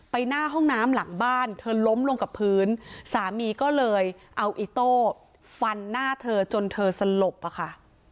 หน้าห้องน้ำหลังบ้านเธอล้มลงกับพื้นสามีก็เลยเอาอิโต้ฟันหน้าเธอจนเธอสลบอะค่ะ